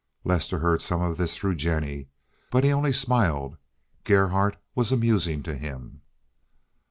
Lester heard something of this through Jennie, but he only smiled. Gerhardt was amusing to him.